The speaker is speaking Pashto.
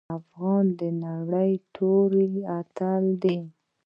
افغان د نرۍ توري اتل دی.